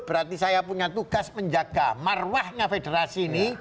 berarti saya punya tugas menjaga marwahnya federasi ini